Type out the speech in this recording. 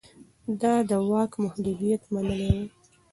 ده د واک محدوديت منلی و.